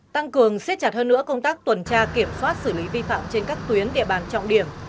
tăng cường xếp chặt hơn nữa công tác tuần tra kiểm soát xử lý vi phạm trên các tuyến địa bàn trọng điểm